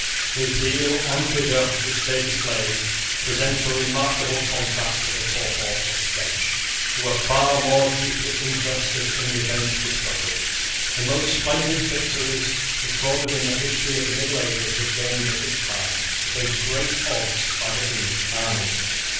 The zeal and vigour which they displayed present a remarkable contrast to the torpor of the French, who were far more deeply interested in the event of the struggle. The most splendid victories recorded in the history of the middle ages were gained at this time, against great odds, by the English armies.